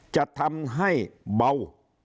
จะทำให้เบา